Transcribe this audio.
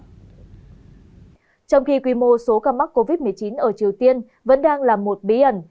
trong khi quy mô số ca mắc covid một mươi chín ở triều tiên vẫn đang là một bí ẩn